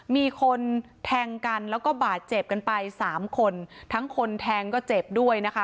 มีคนแทงกันแล้วก็บาดเจ็บกันไปสามคนทั้งคนแทงก็เจ็บด้วยนะคะ